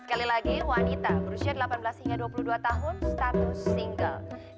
sekali lagi wanita berusia delapan belas hingga dua puluh dua tahun seratus single